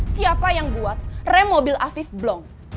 siapa yang buat rem mobil afif blong